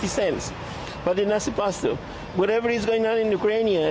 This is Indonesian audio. saya menggunakan sembilan puluh tiga